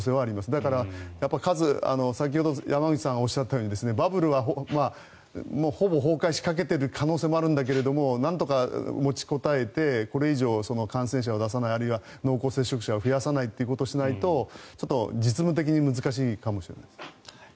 だから、先ほど山口さんがおっしゃったようにバブルはほぼ崩壊しかけている可能性もあるんだけどなんとか持ちこたえてこれ以上、感染者を出さないあるいは濃厚接触者を増やさないということをしないとちょっと実務的に難しい感じもします。